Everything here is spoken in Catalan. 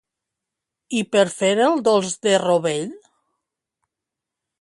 I per fer el dolç de rovell?